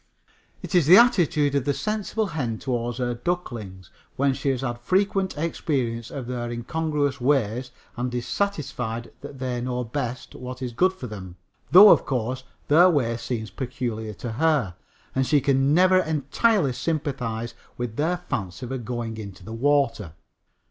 It is the attitude of the sensible hen toward her ducklings, when she has had frequent experience of their incongruous ways, and is satisfied that they know best what is good for them; though, of course, their ways seem peculiar to her, and she can never entirely sympathize with their fancy for going into the water.